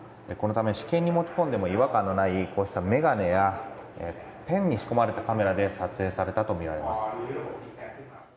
このため試験に持ち込んでも違和感のないこうした眼鏡やペンに仕込まれたカメラで撮影されたとみられます。